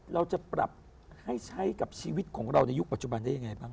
เราจะปรับให้ใช้กับชีวิตของเราในยุคปัจจุบันได้ยังไงบ้าง